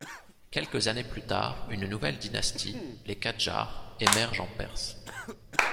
Quelques années plus tard, une nouvelle dynastie, les Kadjars, émerge en Perse.